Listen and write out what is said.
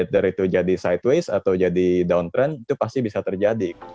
dari itu jadi sideways atau jadi downtrend itu pasti bisa terjadi